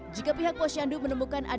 jika pihak posyendu menemukan kemampuan